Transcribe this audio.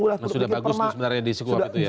sudah bagus itu sebenarnya di kuwab itu ya